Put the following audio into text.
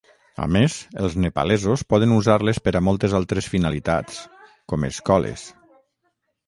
A més, els nepalesos poden usar-les per a moltes altres finalitats, com escoles.